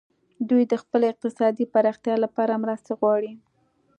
دوی د خپلې اقتصادي پراختیا لپاره مرستې غواړي